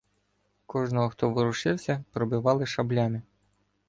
Кожного, хто ворушився, пробивали шаблями.